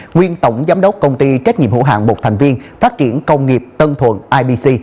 nguyên tổng giám đốc công ty trách nhiệm hữu hạng một thành viên phát triển công nghiệp tân thuận ibc